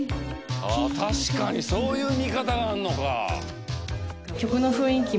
確かにそういう見方があるのか。